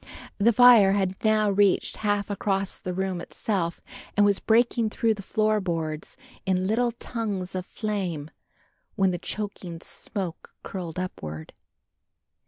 The fire had now reached half across the room itself and was breaking through the floor boards in little tongues of flame, when the choking smoke curled upward.